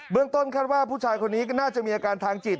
ต้นคาดว่าผู้ชายคนนี้ก็น่าจะมีอาการทางจิต